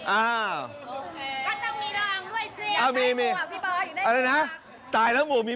อ้าวมอบรางวัลให้ผู้ชนะ